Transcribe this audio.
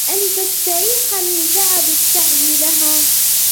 أَنْ تَسْتَرِيحَ مِنْ تَعَبِ السَّعْيِ لَهَا